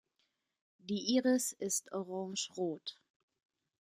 Die Iris ist orangerot.